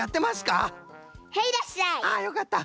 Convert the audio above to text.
あよかった。